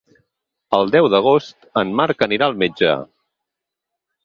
El deu d'agost en Marc anirà al metge.